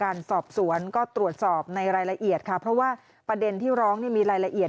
การสอบสวนก็ตรวจสอบในรายละเอียดค่ะเพราะว่าประเด็นที่ร้องนี่มีรายละเอียด